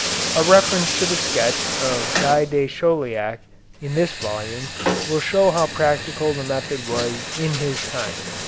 A reference to the sketch of Guy de Chauliac in this volume will show how practical the method was in his time.